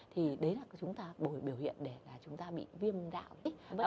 thì đấy là chúng ta bồi biểu hiện để chúng ta bị viêm âm đạo